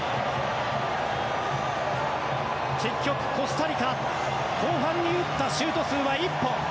結局、コスタリカ後半に打ったシュート数は１本。